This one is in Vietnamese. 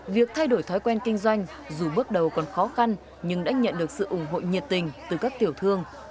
việc thay đổi thói quen kinh doanh dù bước đầu còn khó khăn nhưng đã nhận được sự ủng hộ nhiệt tình từ các tiểu thương